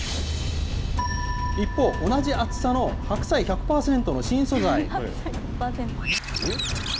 一方、同じ厚さの白菜１００％の新素材。